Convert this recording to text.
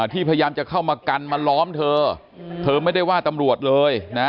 พยายามจะเข้ามากันมาล้อมเธอเธอไม่ได้ว่าตำรวจเลยนะ